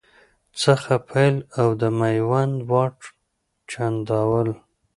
څخه پیل او د میوند واټ، چنداول